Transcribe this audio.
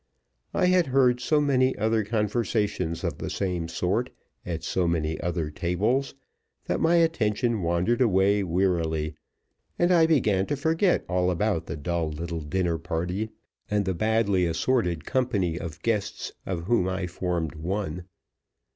I had heard so many other conversations of the same sort at so many other tables that my attention wandered away wearily, and I began to forget all about the dull little dinner party and the badly assorted company of guests of whom I formed one.